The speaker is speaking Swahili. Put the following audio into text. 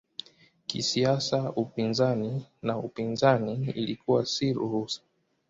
Kisiasa upinzani na upinzani ilikuwa si ruhusa.